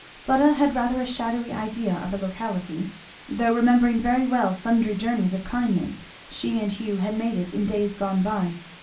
Fleda had rather a shadowy idea of the locality, though remembering very well sundry journeys of kindness she and Hugh had made to it in days gone by.